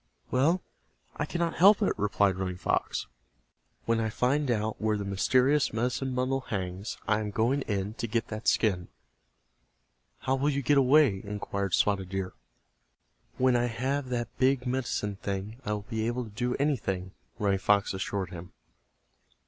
"Well, I cannot help it," replied Running Fox. "When I find out where the mysterious medicine bundle hangs I am going in to get that skin." "How will you get away?" inquired Spotted Deer. "When I have that big medicine thing I will be able to do anything," Running Fox assured him.